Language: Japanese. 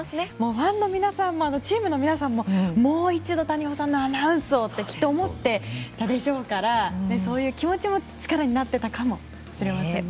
ファンの皆さんもチームの皆さんももう一度、谷保さんのアナウンスをときっと思っていたでしょうからそういう気持ちも力になっていたかもしれませんね。